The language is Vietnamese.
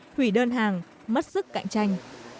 hủy đơn hàng mất sức cạnh tranh